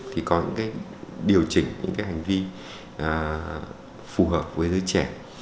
thì có những cái điều chỉnh những cái hành vi phù hợp với giới trẻ